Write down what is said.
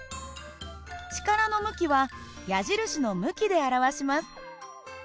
力の向きは矢印の向きで表します。